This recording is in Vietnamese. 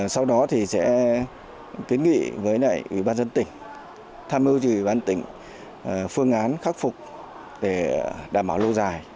sau đó thì sẽ kế nghị với ubnd tỉnh tham ưu cho ubnd tỉnh phương án khắc phục để đảm bảo lâu dài